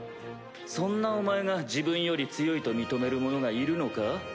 そんなお前が自分より強いと認める者がいるのか？